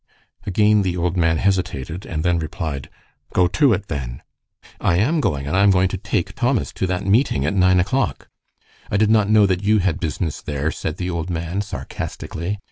Again the old man hesitated, and then replied, "Go to it, then." "I am going, and I am going to take Thomas to that meeting at nine o'clock." "I did not know that you had business there," said the old man, sarcastically.